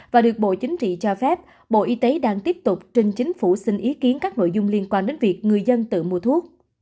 và được bộ chính trị cho phép bộ y tế đang tiếp tục trình chính phủ xin ý kiến các nội dung liên quan đến việc người dân tự mua thuốc